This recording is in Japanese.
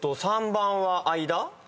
３番は「間」？